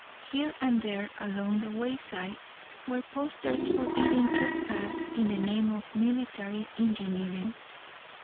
Here and there along the wayside were posters forbidding trespass in the name of military engineering.